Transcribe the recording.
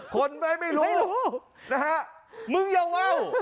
คนใบไม่รู้มึงย่าว